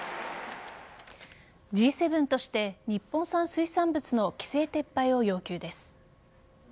Ｇ７として日本産水産物の規制撤廃を要求です。